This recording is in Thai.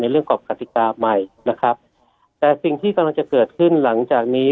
เรื่องกรอบกติกาใหม่นะครับแต่สิ่งที่กำลังจะเกิดขึ้นหลังจากนี้